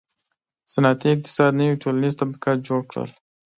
• صنعتي اقتصاد نوي ټولنیز طبقات جوړ کړل.